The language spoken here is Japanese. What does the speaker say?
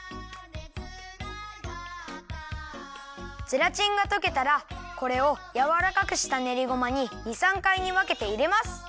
ゼラチンがとけたらこれをやわらかくしたねりごまに２３かいにわけていれます。